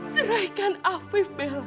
ceraikan afif bella